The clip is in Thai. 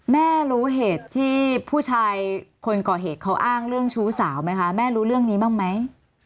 แม่รู้เหตุที่ผู้ชายคนก่อเหตุเขาอ้างเรื่องชู้สาวไหมคะแม่รู้เรื่องนี้บ้างไหม